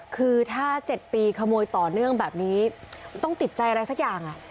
คือถ้า๗ปีขโมยต่อเนื่องแบบนี้ต้องติดใจอะไรสักอย่าง